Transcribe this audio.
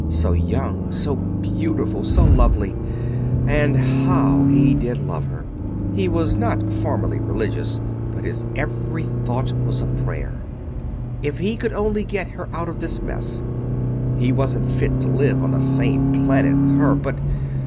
So young, so beautiful, so lovely and how he did love her! He was not formally religious, but his every thought was a prayer. If he could only get her out of this mess ... he wasn't fit to live on the same planet with her, but